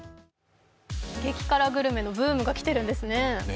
激辛グルメのブームがきているんですね。